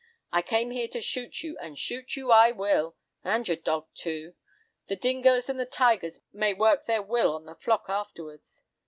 I came here to shoot you, and shoot you I will, and your dog too; the dingos and the tigers may work their will on the flock afterwards.